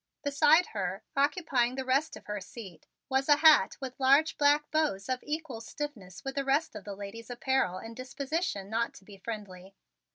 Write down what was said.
Beside her, occupying the rest of her seat, was a hat with large black bows of equal stiffness with the rest of the lady's apparel and disposition not to be friendly.